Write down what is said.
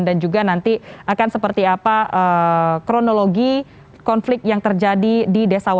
dan juga nanti akan seperti apa kronologi konflik yang terjadi di desa wada saat ini